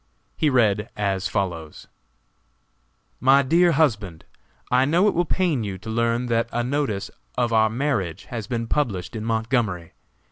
He read as follows: "MY DEAR HUSBAND: I know it will pain you to learn that a notice of our marriage has been published in Montgomery.